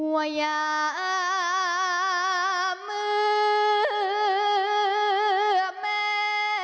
ไว้หย้าาามื้อแม่